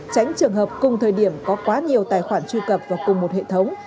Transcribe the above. tránh trường hợp cùng thời điểm có quá nhiều tài khoản truy cập vào cùng một hệ thống